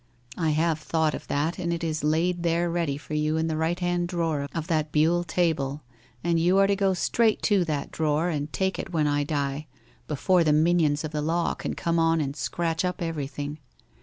' I have thought of that, and it is laid there ready for you in the right hand drawer of that buhl table and you are to go straight to that drawer, and take it when 1 die, before the minions of the law can come on and scratch up every thing.